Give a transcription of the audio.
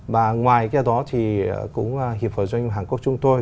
và ngoài cái đó thì cũng hiệp hội doanh hàn quốc chúng tôi